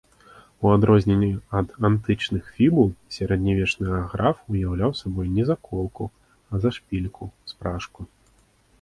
У адрозненне ад антычных фібул, сярэднявечны аграф уяўляў сабой не заколку, а зашпільку, спражку.